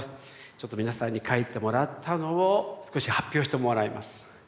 ちょっと皆さんに書いてもらったのを少し発表してもらいます。